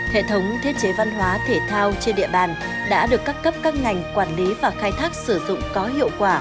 hệ thống thiết chế văn hóa thể thao trên địa bàn đã được các cấp các ngành quản lý và khai thác sử dụng có hiệu quả